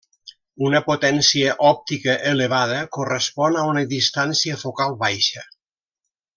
Una potència òptica elevada correspon a una distància focal baixa.